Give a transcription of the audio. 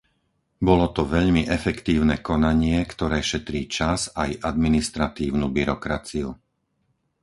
Bolo to veľmi efektívne konanie, ktoré šetrí čas aj administratívnu byrokraciu.